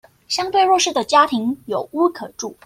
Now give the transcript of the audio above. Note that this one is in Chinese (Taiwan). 讓相對弱勢的家庭有屋可住